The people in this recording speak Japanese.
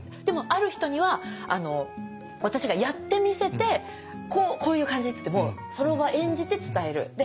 でもある人には私がやってみせて「こういう感じ」つってもうその場演じて伝える。